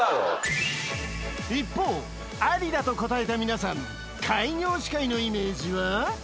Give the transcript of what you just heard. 一方アリだと答えた皆さん開業歯科医のイメージは？